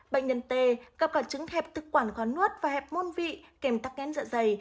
bệnh nhân t gặp cả chứng hẹp thực quản khó nuốt và hẹp môn vị kèm tắc nghên dạ dày